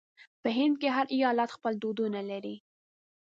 په هند کې هر ایالت خپل دودونه لري.